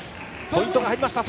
ポイントが入りました。